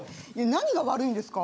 何が悪いんですか？